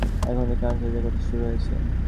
এখনই কান ঝাঁঝাঁ করতে শুরু হয়েছে।